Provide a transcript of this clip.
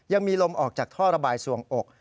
ยังมีลมออกจากท่อระบายส่วงอก